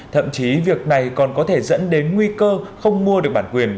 thậm chí việc này còn có thể dẫn đến nguy cơ không mua được bản quyền